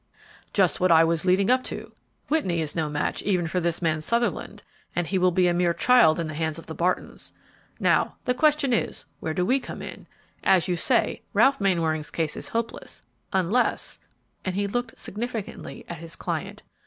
"Just what I was leading up to. Whitney is no match even for this man, Sutherland, and he will be a mere child in the hands of the Bartons. Now, the question is, where do we come in? As you say, Ralph Mainwaring's case is hopeless, unless " and he looked significantly at his client.